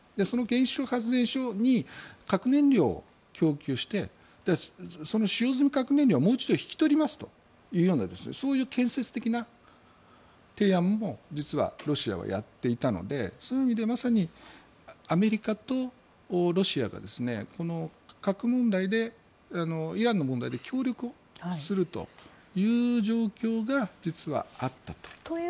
その原子力発電所に核燃料を供給してその使用済み核燃料をもう一度引き取りますというそういう建設的な提案も実はロシアはやっていたのでそういう意味でまさにアメリカとロシアが核問題で、イランの問題で協力をするという状況が実はあったと。